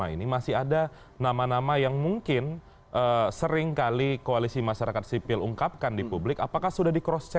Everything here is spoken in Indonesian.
ini menarik nih